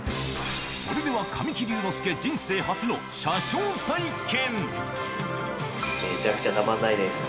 それでは神木隆之介、人生初の車掌体験。